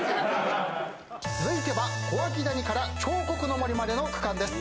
続いては小涌谷から彫刻の森までの区間です。